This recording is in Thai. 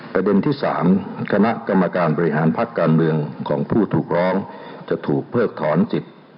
ประเด็นที่๓คณะกรรมการบริหารพักการเมืองของผู้ถูกร้องจะถูกเพิกถอนจิต